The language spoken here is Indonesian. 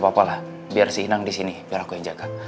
gapapa lah biar si inang disini biar aku yang jaga